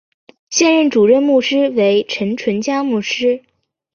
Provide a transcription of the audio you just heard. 现任主任牧师为陈淳佳牧师。